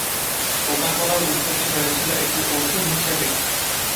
কোকা-কোলার উৎপত্তি হয়েছিলো একটি ওষুধ হিসেবে।